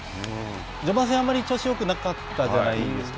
序盤戦、あんまり調子よくなかったじゃないですか。